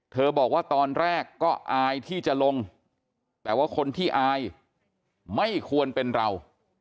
บอกว่าตอนแรกก็อายที่จะลงแต่ว่าคนที่อายไม่ควรเป็นเรา